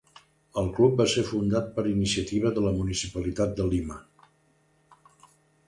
El club va ser fundat per iniciativa de la municipalitat de Lima.